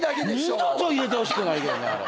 二度と入れてほしくないあれ。